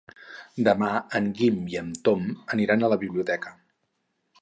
Demà en Guim i en Tom aniran a la biblioteca.